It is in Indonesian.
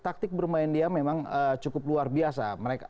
taktik bermain dia memang cukup luar biasa